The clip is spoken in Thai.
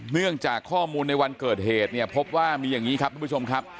เนื่องจากข้อมูลในวันเกิดเหตุเนี่ยพบว่ามีอย่างนี้ครับทุกผู้ชมครับ